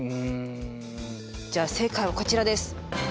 じゃあ正解はこちらです。